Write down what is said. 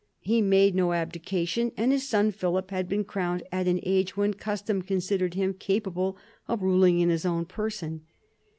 He made no abdication, and his son Philip had been crowned at an age when custom considered him capable of ruling in his own person.